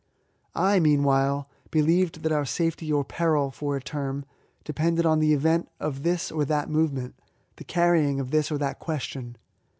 I, meanwhile, believed that our safety or peril, for a term, depended on the event of this or that movement, the carrying of this or that question.